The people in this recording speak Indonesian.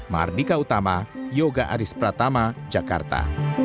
mardika utama yoga aris pratama jakarta